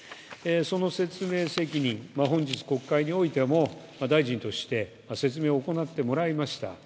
その説明責任、本日国会においても大臣として説明を行ってもらいました。